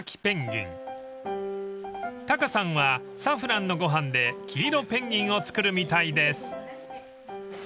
［タカさんはサフランのご飯で黄色ペンギンを作るみたいです］